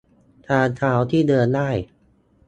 - ทางเท้าที่เดินได้